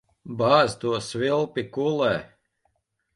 Bāz to svilpi kulē.